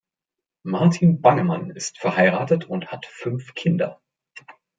Martin Bangemann ist verheiratet und hat fünf Kinder.